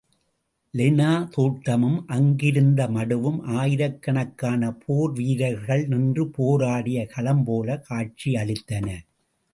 லெனா தோட்டமும், அங்கிருந்த மடுவும் ஆயிக்கணக்கான போர் வீரர்கள் நின்று போராடிய களம் போலக் காட்சியளித்தன.